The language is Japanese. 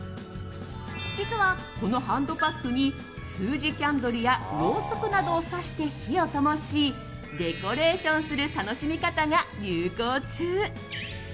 実は、このハンドパックに数字キャンドルやろうそくなどをさして火をともしデコレーションする楽しみ方が流行中。